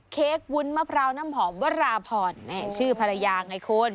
เค้กวุ้นมะพร้าวน้ำหอมวราพรแม่ชื่อภรรยาไงคุณ